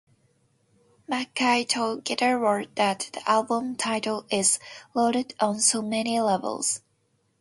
MacKaye told "Guitar World" that the album title "Is loaded on so many levels.